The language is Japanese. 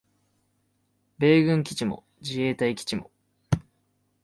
米軍基地も自衛隊基地も